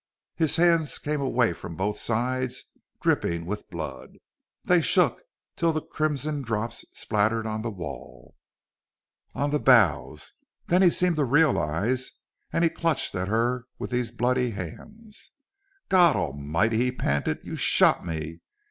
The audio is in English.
His hands came away from both sides, dripping with blood. They shook till the crimson drops spattered on the wall, on the boughs. Then he seemed to realize and he clutched at her with these bloody hands. "God Almighty!" he panted. "You shot me!...